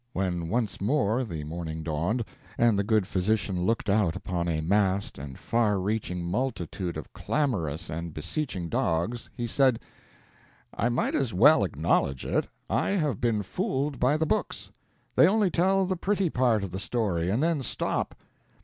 When once more the morning dawned, and the good physician looked out upon a massed and far reaching multitude of clamorous and beseeching dogs, he said, "I might as well acknowledge it, I have been fooled by the books; they only tell the pretty part of the story, and then stop.